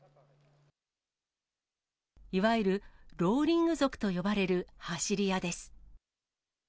いわゆるローリング族と呼ばれる走り屋です。